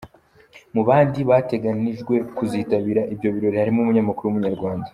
Mu bandi bateganijwe kuzitabira ibyo birori harimo umunyamakuru w’Umunyarwanda